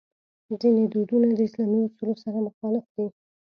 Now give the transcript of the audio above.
ځینې دودونه د اسلامي اصولو سره مخالف دي.